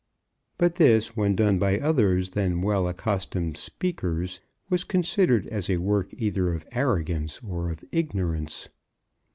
But this when done by others than well accustomed speakers, was considered as a work either of arrogance or of ignorance.